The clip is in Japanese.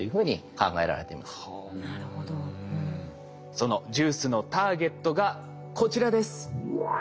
そのＪＵＩＣＥのターゲットがこちらです。